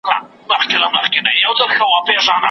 نه د بل په عقل پوهه کومکونو